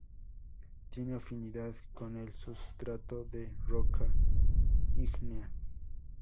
Tiene afinidad con el sustrato de roca ígnea.